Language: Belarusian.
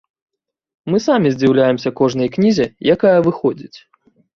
Мы самі здзіўляемся кожнай кнізе, якая выходзіць.